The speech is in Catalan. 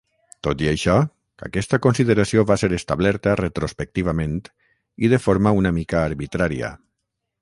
Tot i això, aquesta consideració va ser establerta retrospectivament i de forma una mica arbitrària.